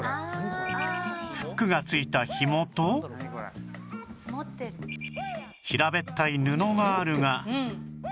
フックが付いたひもと平べったい布があるが